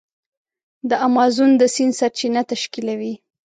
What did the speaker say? د امازون د سیند سرچینه تشکیلوي.